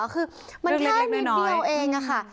คือมันแค่นิดเดียวเองค่ะ